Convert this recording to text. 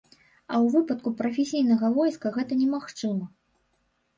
А ў выпадку прафесійнага войска гэта немагчыма.